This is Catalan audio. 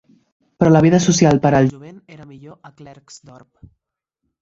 Però la vida social per al jovent era millor a Klerksdorp.